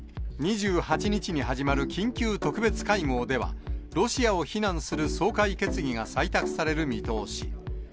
２８日に始まる緊急特別会合では、ロシアを非難する総会決議が採択される見通し。